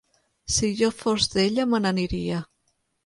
Si jo fos d'ella me n'aniria.